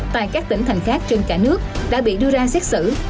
tại các tỉnh thành khác trên cả nước đã bị đưa ra xét xử